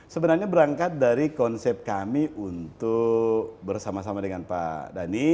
sebenarnya berangkat dari konsep kami untuk bersama sama dengan pak dhani